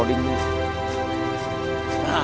nah dapat sinyalnya